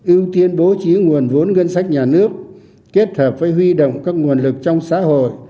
ưu tiên bố trí nguồn vốn ngân sách nhà nước kết hợp với huy động các nguồn lực trong xã hội